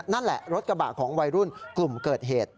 นั่นแหละรถกระบะของวัยรุ่นกลุ่มเกิดเหตุ